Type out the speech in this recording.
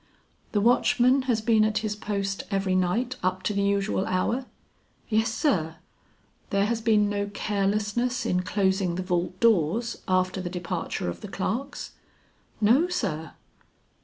"The watchman has been at his post every night up to the usual hour?" "Yes sir." "There has been no carelessness in closing the vault doors after the departure of the clerks?" "No sir."